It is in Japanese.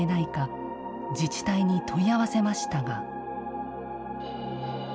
自治体に問い合わせましたが。